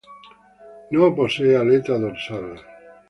No posee aleta dorsal.